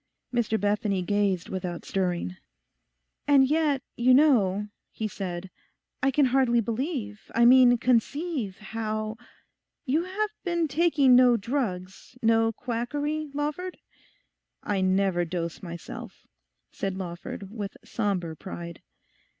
Mr Bethany gazed without stirring. 'And yet, you know,' he said, 'I can hardly believe, I mean conceive, how—You have been taking no drugs, no quackery, Lawford?' 'I never dose myself,' said Lawford, with sombre pride.